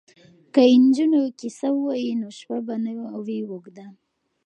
که نجونې کیسه ووايي نو شپه به نه وي اوږده.